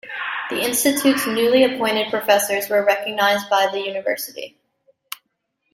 The Institute's newly appointed professors were recognised by the university.